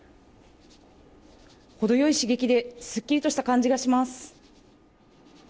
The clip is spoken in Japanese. ほどよい刺激ですっきりとした感じがします。